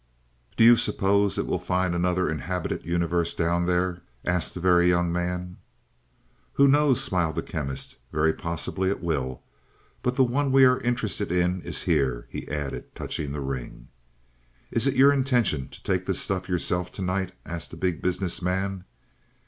"Do you suppose it will find another inhabited universe down there?" asked the Very Young Man. "Who knows," smiled the Chemist. "Very possibly it will. But the one we are interested in is here," he added, touching the ring. "Is it your intention to take this stuff yourself to night?" asked the Big Business Man.